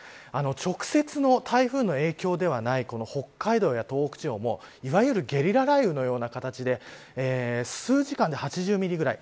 直接の台風の影響ではない北海道や東北地方もいわゆるゲリラ雷雨のような形で数時間で８０ミリぐらい。